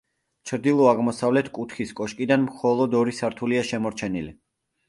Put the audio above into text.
ჩრდილო-აღმოსავლეთ კუთხის კოშკიდან მხოლოდ ორი სართულია შემორჩენილი.